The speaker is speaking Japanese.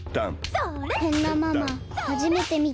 こんなママはじめてみた。